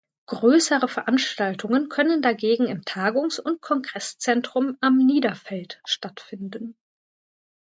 Größere Veranstaltungen können dagegen im Tagungs- und Kongresszentrum "Am Niederfeld" stattfinden.